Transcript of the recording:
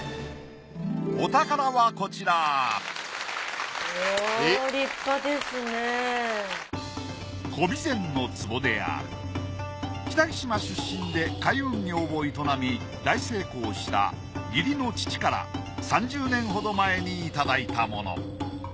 お宝はこちら北木島出身で海運業を営み大成功した義理の父から３０年ほど前にいただいたもの。